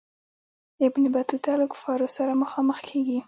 ابن بطوطه له کفارو سره مخامخ کیږي.